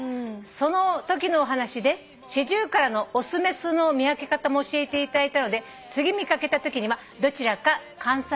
そのときのお話でシジュウカラの雄雌の見分け方も教えていただいたので次見掛けたときにはどちらか観察してみようと思いました」